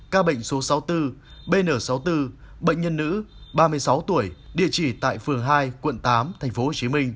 các bệnh số sáu mươi bốn bn sáu mươi bốn bệnh nhân nữ ba mươi sáu tuổi địa chỉ tại phường hai quận tám tp hcm